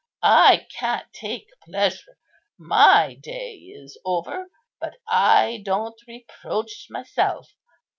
I can't take pleasure—my day is over; but I don't reproach myself.